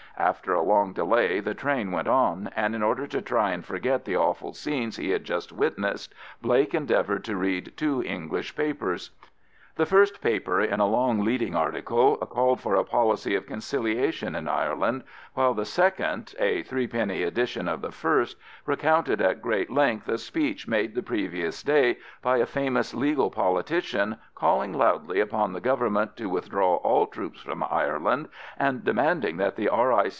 After a long delay the train went on, and in order to try and forget the awful scenes he had just witnessed, Blake endeavoured to read two English papers. The first paper, in a long leading article, called for a policy of conciliation in Ireland, while the second (a threepenny edition of the first) recounted at great length a speech made the previous day by a famous legal politician calling loudly upon the Government to withdraw all troops from Ireland, and demanding that the R.I.